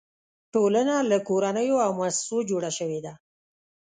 ټولنه له کورنیو او مؤسسو جوړه شوې ده.